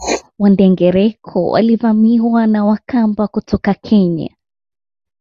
Wandengereko walivamiwa na Wakamba kutoka Kenya